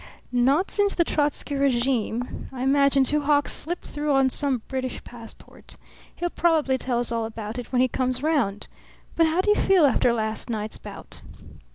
"Not since the Trotzky regime. I imagine Two Hawks slipped through on some British passport. He'll probably tell us all about it when he comes round. But how do you feel after last night's bout?"